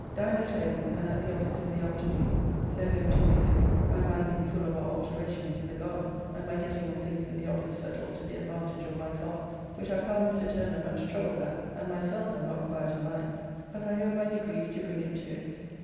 Dined at home, and at the office in the afternoon. So home to musique, my mind being full of our alteracons in the garden, and my getting of things in the office settled to the advantage of my clerks, which I found Mr. Turner much troubled at, and myself am not quiet in mind. But I hope by degrees to bring it to it.